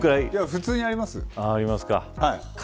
普通にあります。